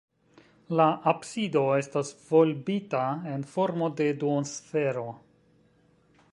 La absido estas volbita en formo de duonsfero.